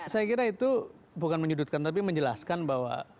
saya kira itu bukan menyudutkan tapi menjelaskan bahwa